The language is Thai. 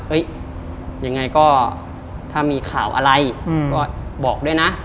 ยังไงก็ถ้ามีข่าวอะไรก็บอกด้วยนะ